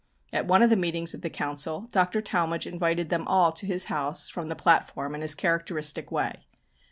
At one of the meetings of the Council Dr. Talmage invited them all to his house from the platform in his characteristic way.